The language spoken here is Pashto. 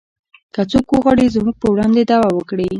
که څوک وغواړي زموږ په وړاندې دعوه وکړي